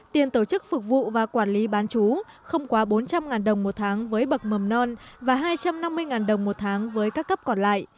tiền tổ chức phục vụ và quản lý bán chú không quá bốn trăm linh đồng một tháng với bậc mầm non và hai trăm năm mươi đồng một tháng với các cấp còn lại